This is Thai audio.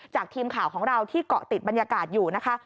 ทีมข่าวของเราที่เกาะติดบรรยากาศอยู่นะคะ